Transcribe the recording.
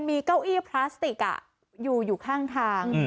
มีเก้าอี้พลาสติกอยู่อยู่ข้างทาง